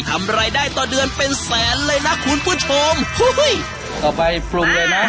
ทำรายได้ต่อเดือนเป็นแสนเลยนะคุณผู้ชมก็ไปปรุงเลยนะ